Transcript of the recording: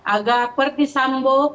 agar ferdi sambo